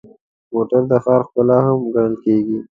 موټر د ښار ښکلا هم ګڼل کېږي.